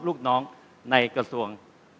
ลูกน้องในกระทรวง